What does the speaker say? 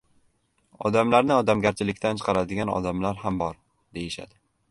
Odamlarni odamgarchilikdan chiqaradigan odamlar ham bor, deyishadi.